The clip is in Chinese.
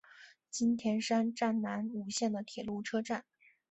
津田山站南武线的铁路车站。